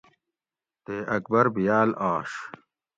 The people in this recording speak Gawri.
تے اکبر بیاۤل آش